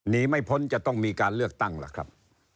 หนีไม่พ้นจะต้องมีการเลือกตั้งล่ะครับ